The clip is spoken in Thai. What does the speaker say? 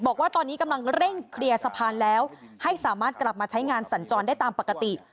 บอกว่าตอนนี้กำลังเร่งเคลียร์สะพานแล้วให้สามารถกลับมาใช้งานสัญจรได้ตามปกติ